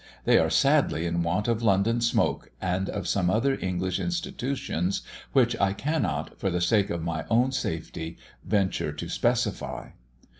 They are sadly in want of London smoke and of some other English institutions which I cannot, for the sake of my own safety, venture to specify.